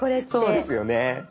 そうですよね。